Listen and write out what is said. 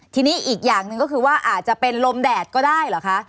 ทีนี้อีกอย่างหนึ่งก็คือว่าอาจจะเป็นลมแดดก็ได้เหรอคะ